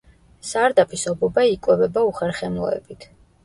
სარდაფის ობობა იკვებება უხერხემლოებით.